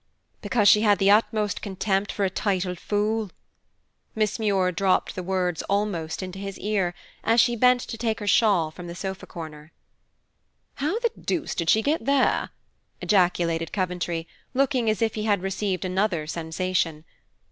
"Because she had the utmost contempt for a titled fool." Miss Muir dropped the words almost into his ear, as she bent to take her shawl from the sofa corner. "How the deuce did she get there?" ejaculated Coventry, looking as if he had received another sensation.